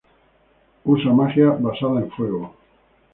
Él usa magia basada en fuego.